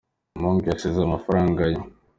Umuhungu yasize amafaranga ye.